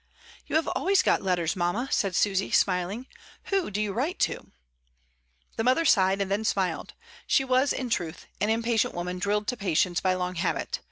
"You have always got letters, mamma," said Susy, smiling; "who do you write to?" The mother sighed and then smiled — she was, in truth, an impatient woman drilled to patience by long habit.